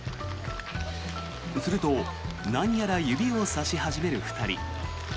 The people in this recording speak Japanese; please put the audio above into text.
すると何やら指をさし始める２人。